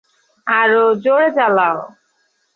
আরও জোড়ে চালাও!